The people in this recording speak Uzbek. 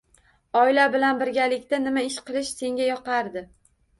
Oila bilan birgalikda nima ish qilish senga yoqardi?